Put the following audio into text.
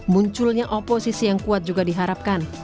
munculnya oposisi yang kuat juga diharapkan